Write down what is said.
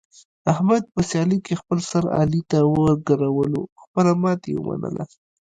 احمد په سیالۍ کې خپل سر علي ته وګرولو، خپله ماتې یې و منله.